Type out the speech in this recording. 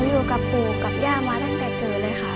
อยู่กับปู่กับย่ามาตั้งแต่เกิดเลยค่ะ